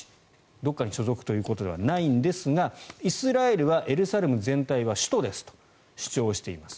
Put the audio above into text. どこかに所属ということではないんですがイスラエルはエルサレム全体は首都ですと主張しています。